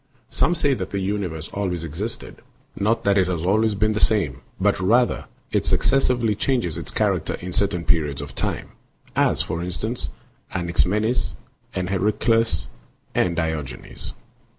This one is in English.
Some say that the universe always existed, not that it has always been the same, but rather that it successively changes its character _ in certain periods of time; as, for instance, Anaxi menes and Herakleitos and Diogenes.